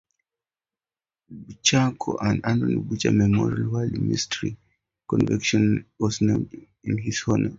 Bouchercon, the "Anthony Boucher Memorial World Mystery Convention," was named in his honor.